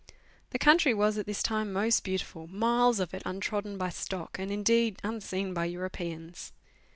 The country was at this time most beautiful miles of it untrodden by stock, and, indeed, unseen by Europeans.